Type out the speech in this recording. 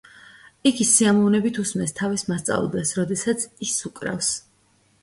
იგი სიამოვნებით უსმენს თავის მასწავლებელს, როდესაც ის უკრავს.